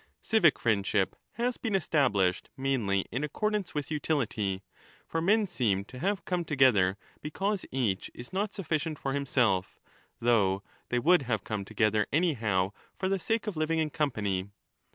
Civic friendship has been established mainly in accordance with utility ; for men seem to have come together because each is not sufficient for himself, though they would have come together anyhow for the sake of living in company.